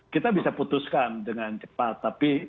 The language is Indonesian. kita bisa putuskan dengan cepat tapi